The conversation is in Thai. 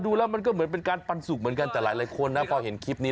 ดูมันเหมือนเป็นการปันสุกเหมือนกันแต่หลายแต่คนนะ